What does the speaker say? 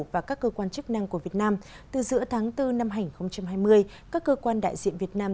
và các cơ quan chức năng của việt nam từ giữa tháng bốn năm hai nghìn hai mươi các cơ quan đại diện việt nam